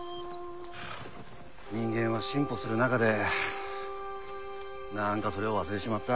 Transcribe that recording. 人間は進歩する中で何かそれを忘れちまった。